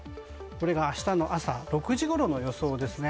これが明日の朝６時ごろの予想ですね。